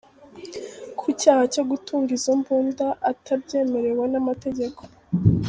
Ku cyaha cyo gutunga izo mbunda atabyemerewe n’amategeko,